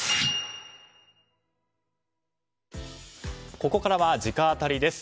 ここからは直アタリです。